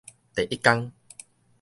第一工